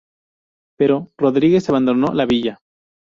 Pero Rodríguez abandonó la Villa.